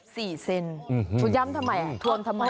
ถูกย้ำทำไมถวนทำไม